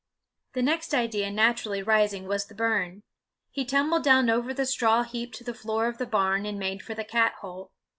The next idea naturally rising was the burn; he tumbled down over the straw heap to the floor of the barn, and made for the cat hole.